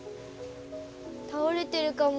倒れているかも。